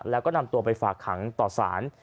แล้วก็นำตัวไปฝากขังต่อสาร